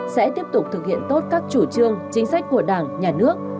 sẽ tiếp tục thực hiện tốt các chủ trương chính sách của đảng nhà nước